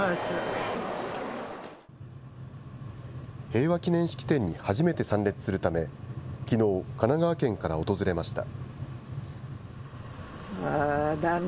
平和記念式典に初めて参列するため、きのう、神奈川県から訪れました。